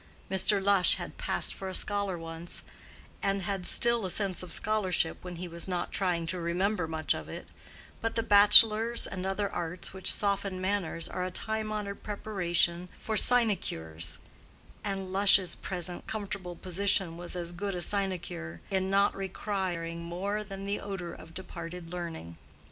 Mr. Lush had passed for a scholar once, and had still a sense of scholarship when he was not trying to remember much of it; but the bachelor's and other arts which soften manners are a time honored preparation for sinecures; and Lush's present comfortable provision was as good a sinecure in not requiring more than the odor of departed learning.